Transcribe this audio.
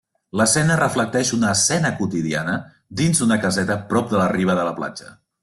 L'escena reflecteix una escena quotidiana dins d'una caseta prop de la riba de la platja.